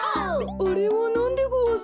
あれはなんでごわす？